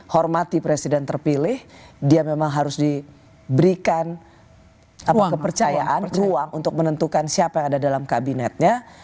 hormati presiden terpilih dia memang harus diberikan kepercayaan ruang untuk menentukan siapa yang ada dalam kabinetnya